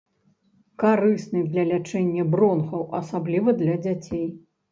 Карысны для лячэння бронхаў, асабліва для дзяцей.